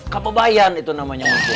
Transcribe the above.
kepobayan itu namanya mas